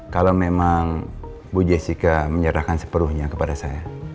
kalau memang bu jessica menyerahkan sepenuhnya kepada saya